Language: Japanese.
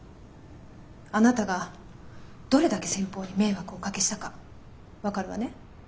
あなたがどれだけ先方に迷惑をおかけしたか分かるわね？